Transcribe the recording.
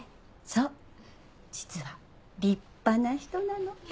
そう実は立派な人なの。